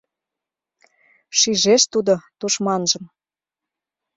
Шижеш тудо тушманжым.